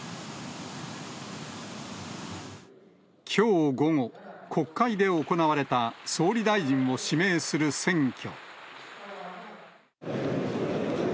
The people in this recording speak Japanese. きょう午後、国会で行われた総理大臣を指名する選挙。